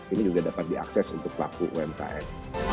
ini juga dapat diakses untuk pelaku umkm